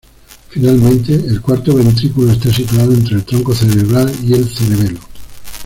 Finalmente, el cuarto ventrículo está situado entre el tronco cerebral y el cerebelo.